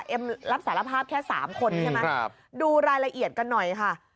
เอ็มรับสารภาพแค่๓คนใช่ไหมดูรายละเอียดกันหน่อยค่ะ